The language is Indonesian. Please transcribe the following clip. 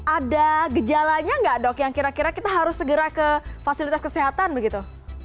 ada gejalanya nggak dok yang kira kira kita harus segera ke fasilitas kesehatan begitu